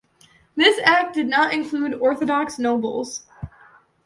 This act did not include Orthodox nobles.